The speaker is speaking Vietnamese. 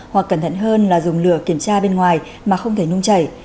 hoặc cẩn thận hơn là dùng lửa kiểm tra bên ngoài mà không thể nung chảy